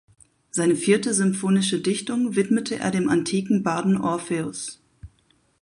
Seine vierte Symphonische Dichtung widmete er dem antiken Barden Orpheus.